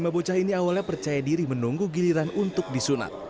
lima bocah ini awalnya percaya diri menunggu giliran untuk disunat